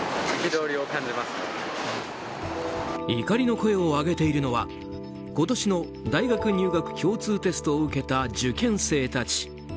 怒りの声を上げているのは今年の大学入学共通テストを受けた受験生たち。